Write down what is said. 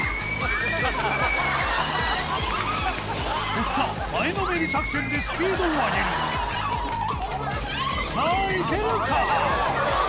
堀田前のめり作戦でスピードを上げるさぁいけるか？